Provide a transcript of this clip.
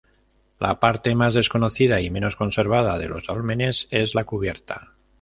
La parte más desconocida y menos conservada de los dólmenes es la cubierta.